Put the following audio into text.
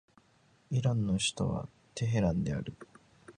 イランの首都はテヘランである